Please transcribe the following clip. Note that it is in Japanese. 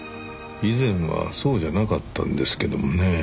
以前はそうじゃなかったんですけどもね。